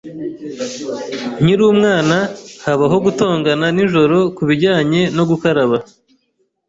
Nkiri umwana, habaho gutongana nijoro kubijyanye no gukaraba.